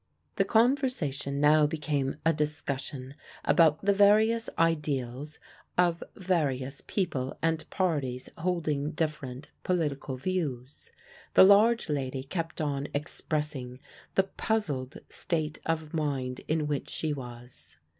The conversation now became a discussion about the various ideals of various people and parties holding different political views. The large lady kept on expressing the puzzled state of mind in which she was.